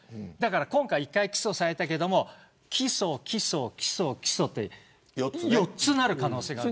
今回、一度起訴されたけど起訴、起訴、起訴、起訴と４つなる可能性がある。